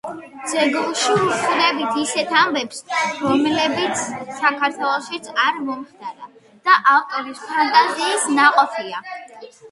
ძეგლში ვხვდებით ისეთ ამბებსა, რომლებიც საქართველოშიც არ მომხდარა და ავტორის ფანტაზიის ნაყოფია.